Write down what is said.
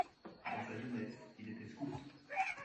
Dans sa jeunesse, il était Scout.